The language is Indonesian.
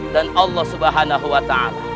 dan allah swt